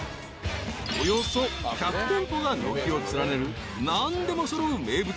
［およそ１００店舗が軒を連ねる何でも揃う名物